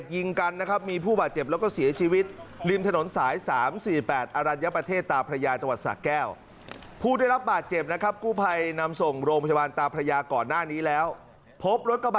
ยิงสวนเข้าแศกหน้าตายเลยครับ